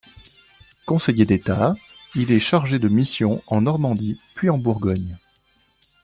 Conseiller d'État, il est chargé de missions en Normandie puis en Bourgogne.